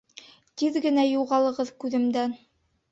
Тиҙ генә юғалығыҙ күҙемдән.